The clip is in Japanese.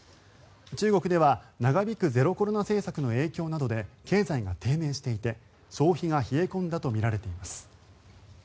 中国では長引くゼロコロナ政策の影響などで経済が低迷していて、消費が冷え込んだとみられています。